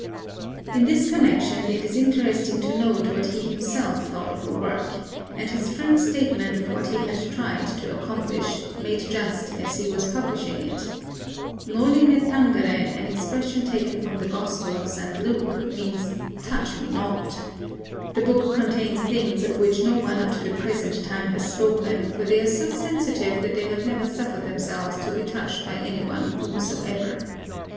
In this connection it is interesting to note what he himself thought of the work, and his frank statement of what he had tried to accomplish, made just as he was publishing it: "Noli Me Tangere, an expression taken from the Gospel of St. Luke, means touch me not. The book contains things of which no one up to the present time has spoken, for they are so sensitive that they have never suffered themselves to be touched by any one whomsoever.